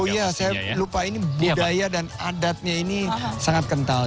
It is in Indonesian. oh iya saya lupa ini budaya dan adatnya ini sangat kental